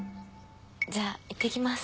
じゃあいってきます。